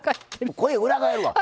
声裏返るわ。